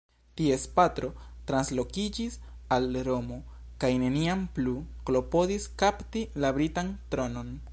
Ties patro translokiĝis al Romo kaj neniam plu klopodis kapti la britan tronon.